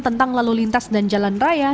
tentang lalu lintas dan jalan raya